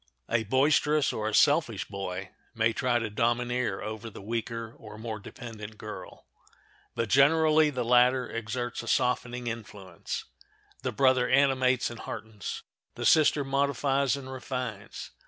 A boisterous or a selfish boy may try to domineer over the weaker or more dependent girl. But generally the latter exerts a softening influence. The brother animates and heartens; the sister modifies and refines.